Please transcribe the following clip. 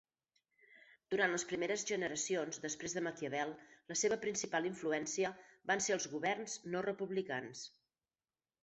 Durant les primeres generacions després de Maquiavel, la seva principal influència van ser els governs no republicans.